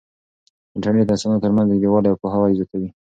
انټرنیټ د انسانانو ترمنځ نږدېوالی او پوهاوی زیاتوي.